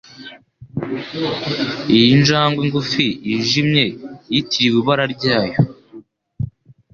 Iyi njangwe ngufi "yijimye" yitiriwe ibara ryayo,